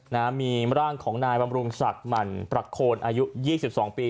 นะฮะมีร่างของนายบำรุงศักดิ์หมั่นประโคนอายุยี่สิบสองปี